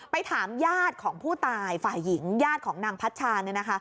ถามญาติของผู้ตายฝ่ายหญิงญาติของนางพัชชา